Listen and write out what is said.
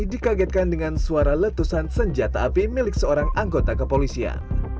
dikagetkan dengan suara letusan senjata api milik seorang anggota kepolisian